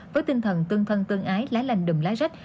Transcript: với tinh thần tương thân tương ái lái lành đùm lái rách